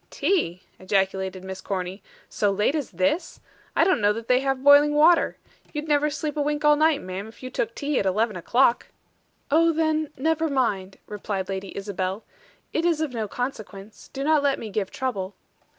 "Tea!" ejaculated Miss Corny. "So late as this! I don't know that they have boiling water. You'd never sleep a wink all night, ma'am, if you took tea at eleven o'clock." "Oh, then, never mind," replied Lady Isabel. "It is of no consequence. Do not let me give trouble."